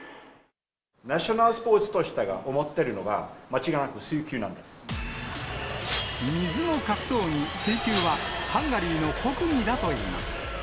ナショナルスポーツとしては思ってるのが、水の格闘技、水球は、ハンガリーの国技だといいます。